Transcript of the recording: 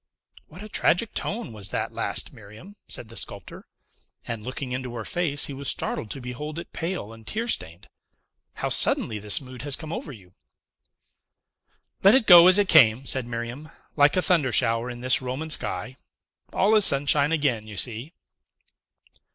"What a tragic tone was that last, Miriam!" said the sculptor; and, looking into her face, he was startled to behold it pale and tear stained. "How suddenly this mood has come over you!" "Let it go as it came," said Miriam, "like a thunder shower in this Roman sky. All is sunshine again, you see!"